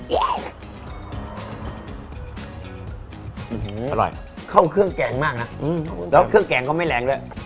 อร่อยเข้าเครื่องแกงมากนะแล้วเครื่องแกงก็ไม่แรงด้วย